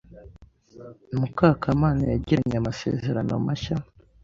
Mukakamana yagiranye amasezerano mashya.